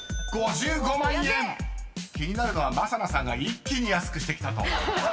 ［気になるのは正名さんが一気に安くしてきたと］